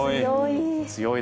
強い。